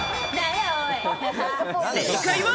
正解は。